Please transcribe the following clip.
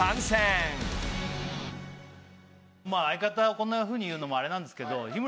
まあ相方をこんなふうに言うのもあれなんですけど日村。